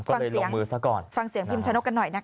ก็เลยลงมือซะก่อนฟังเสียงพิมชะนกกันหน่อยนะคะ